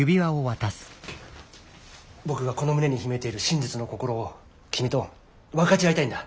僕がこの胸に秘めている真実の心を君と分かち合いたいんだ。